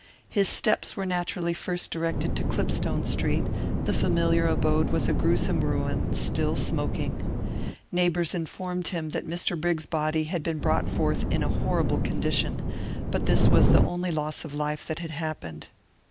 His steps were naturally first directed to Clipstone Street; the familiar abode was a gruesome ruin, still smoking. Neighbours informed him that Mr Briggs's body had been brought forth in a horrible condition; but this was the only loss of life that had happened.